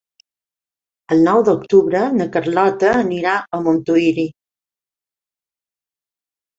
El nou d'octubre na Carlota anirà a Montuïri.